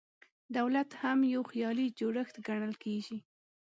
دولت هم یو خیالي جوړښت ګڼل کېږي.